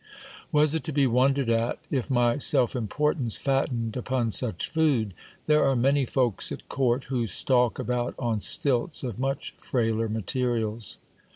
Was it to be wondered at, if my self importance fattened upon such food ? There are many folks at court, who stalk about on stilts of much frailer materials.